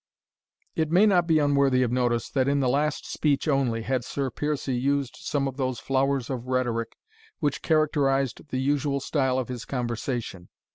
It may not be unworthy of notice, that in the last speech only, had Sir Piercie used some of those flowers of rhetoric which characterized the usual style of his conversation.